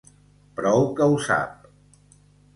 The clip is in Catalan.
Prou que ho sap.